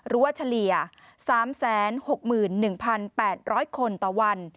เฉลี่ย๓๖๑๘๐๐คนต่อวัน